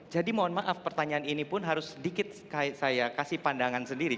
jadi mohon maaf pertanyaan ini pun harus sedikit saya kasih pandangan sendiri